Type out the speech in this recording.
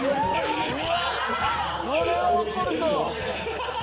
それは怒るぞ。